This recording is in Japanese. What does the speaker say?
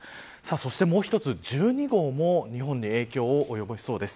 そしてもう１つ、１２号も日本に影響を及ぼしそうです。